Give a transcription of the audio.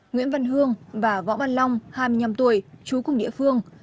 nguyễn văn hương và võ văn long hai mươi năm tuổi chú cùng địa phương